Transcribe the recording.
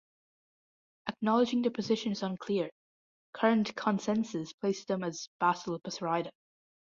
Acknowledging their position is unclear, current consensus places them as basal Passerida.